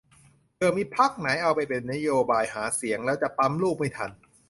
เผื่อมีพรรคไหนเอาไปเป็นนโยบายหาเสียง แล้วจะปั๊มลูกไม่ทัน